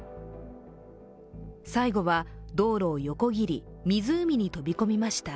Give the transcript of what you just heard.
最後は道路を横切り湖に飛び込みました。